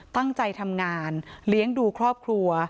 ตั้งใจทำงานเลี้ยงดูครอบครัว